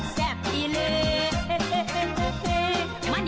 แซ่บ